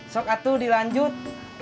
sok atu dilanjut